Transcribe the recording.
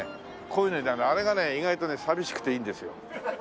こういうのであれがね意外とね寂しくていいんですよ。